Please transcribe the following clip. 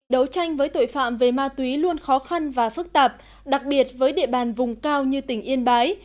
đấu tranh với tội phạm về ma túy luôn khó khăn và phức tạp đặc biệt với địa bàn vùng cao như tỉnh yên bái